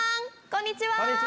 こんにちは！